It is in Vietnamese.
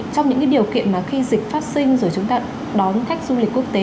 trong những điều kiện mà khi dịch phát sinh rồi chúng ta đón khách du lịch quốc tế